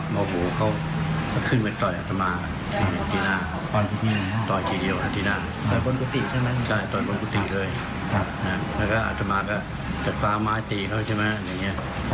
ชุมไม่ทำได้ตีเขาใช่ไหมครับเงี้ย